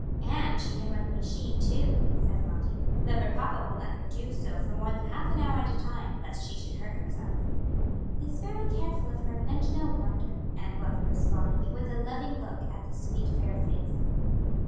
"And she can run the machine too," said Lottie, "though her papa won't let her do so for more than half an hour at a time, lest she should hurt herself." "He's very careful of her, and no wonder," Aunt Wealthy responded, with a loving look at the sweet, fair face.